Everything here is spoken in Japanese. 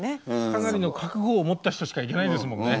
かなりの覚悟を持った人しか行けないですもんね。